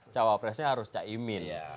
cawapresnya harus caimin